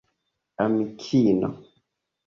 amikino